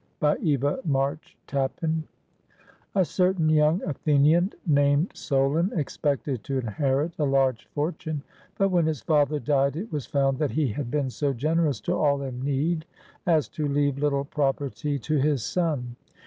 ] BY EVA MARCH TAPPAN A CERTAIN young Athenian named Solon expected to inherit a large fortune; but when his father died, it was found that he had been so generous to all in need as to leave little property to his son.